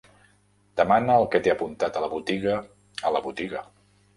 Demana el que t'he apuntat a la botiga a la botiga.